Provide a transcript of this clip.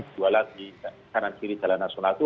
jualan di kanan kiri jalan nasional itu